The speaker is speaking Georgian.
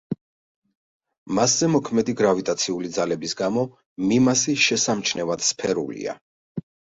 მასზე მოქმედი გრავიტაციული ძალების გამო, მიმასი შესამჩნევად სფერულია.